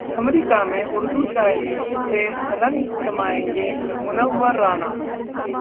America में उर्दू शायरी से रंग जमाएंगे मुनव्वर राना